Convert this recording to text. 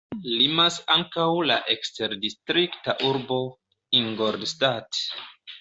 Limas ankaŭ la eksterdistrikta urbo Ingolstadt.